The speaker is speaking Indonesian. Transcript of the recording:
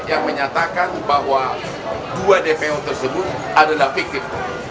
yang menyatakan bahwa dua dpo tersebut adalah fiktif